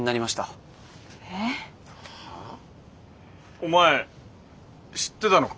お前知ってたのか？